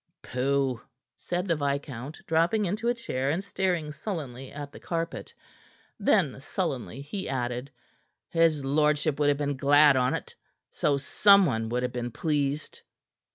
"Pooh!" said the viscount, dropping into a chair and staring sullenly at the carpet. Then sullenly he added: "His lordship would have been glad on't so some one would have been pleased.